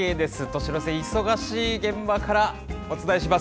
年の瀬、忙しい現場からお伝えします。